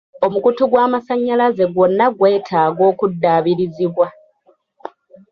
Omukutu gw'amasanyalaze gwonna gwetaaga okudaabirizibwa.